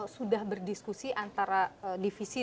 sudah berdiskusi antara divisi